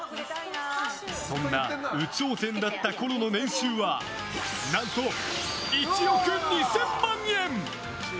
そんな有頂天だったころの年収は何と１億２０００万円。